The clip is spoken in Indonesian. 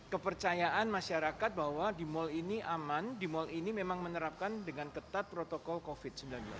kepercayaan masyarakat bahwa di mal ini aman di mal ini memang menerapkan dengan ketat protokol covid sembilan belas